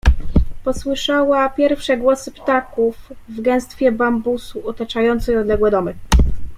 Posłyszała pierwsze głosy ptaków w gęstwie bambusu otaczającej odległe domy.